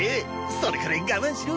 それくらい我慢しろ。